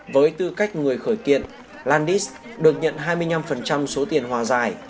với tư cách người khởi kiện landis được nhận hai mươi năm số tiền hòa giải